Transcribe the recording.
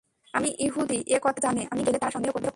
আমি ইহুদী এ কথা তারা জানে আমি গেলে তারা সন্দেহ করবে।